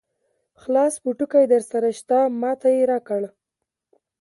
خلاص پوټکی درسره شته؟ ما ته یې راکړ.